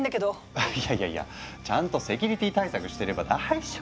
あいやいやいやちゃんとセキュリティ対策してれば大丈夫。